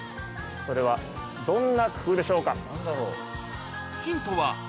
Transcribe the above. それはどんな工夫でしょうか？